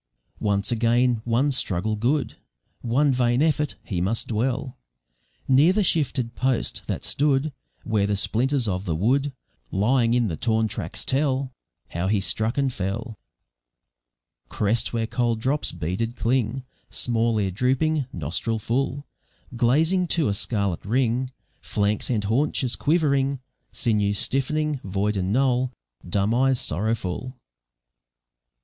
Once again, one struggle good, One vain effort; he must dwell Near the shifted post, that stood Where the splinters of the wood, Lying in the torn tracks, tell How he struck and fell. Crest where cold drops beaded cling, Small ear drooping, nostril full, Glazing to a scarlet ring, Flanks and haunches quivering, Sinews stiff'ning, void and null, Dumb eyes sorrowful.